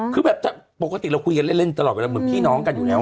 คือแบบปกติเราคุยกันเล่นตลอดเวลาเหมือนพี่น้องกันอยู่แล้ว